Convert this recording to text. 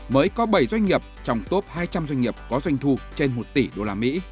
mới có bảy doanh nghiệp trong top hai trăm linh doanh nghiệp có doanh thu trên một tỷ usd